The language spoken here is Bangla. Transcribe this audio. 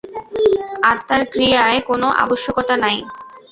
আত্মায় ক্রিয়ার কোন আবশ্যকতা নাই।